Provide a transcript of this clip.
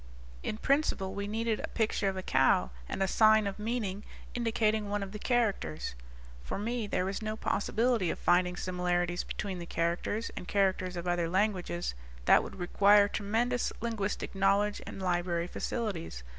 In principle, we needed a picture of a cow, and a sign of meaning indicating one of the characters. "For me, there was no possibility of finding similarities between the characters and characters of other languages that would require tremendous linguistic knowledge and library facilities.